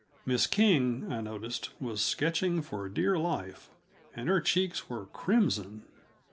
Miss King, I noticed, was sketching for dear life, and her cheeks were crimson.